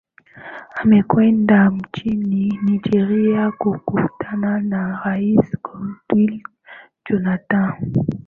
amekwenda nchini nigeria kukutana na rais goodluck jonathan